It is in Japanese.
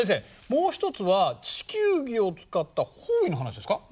もう一つは地球儀を使った方位の話ですか？